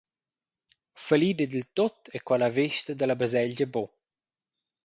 Fallida dil tut ei quella vesta dalla Baselgia buc.